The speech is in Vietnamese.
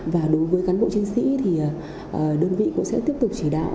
và đối với cán bộ chiến sĩ thì đơn vị cũng sẽ tiếp tục chỉ đạo